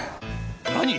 何！？